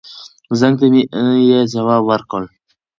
زنګ ته مې يې ځواب ور کړ.